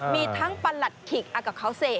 มีทั้งประหลัดขิกอากาศเศก